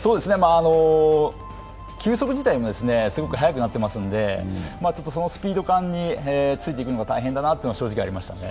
球速自体もすごく速くなっていますので、そのスピード感に大変だなというのは正直ありましたね。